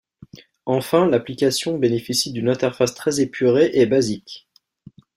Enfin, l'application bénéficie d'une interface très épurée et basique.